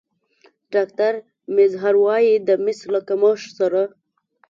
ډاکتر میزهر وايي د مس له کمښت سره